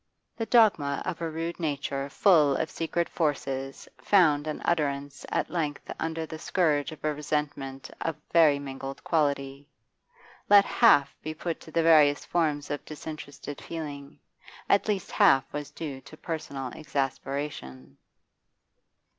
The dogma of a rude nature full of secret forces found utterance at length under the scourge of a resentment of very mingled quality. Let half be put to the various forms of disinterested feeling, at least half was due to personal exasperation.